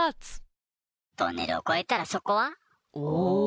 トンネルを越えたら、そこは。